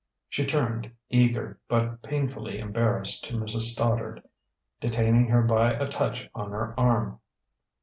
She turned, eager but painfully embarrassed, to Mrs. Stoddard, detaining her by a touch on her arm.